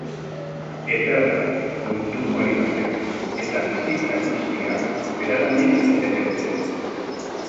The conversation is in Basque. Eterra, munduko arima zen, eta bizitza guztia, beragandik irteten zen.